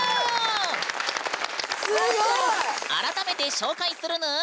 改めて紹介するぬん。